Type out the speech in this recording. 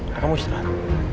nah kamu istirahat